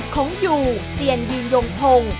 ของยูเจียนยืนยงพงศ์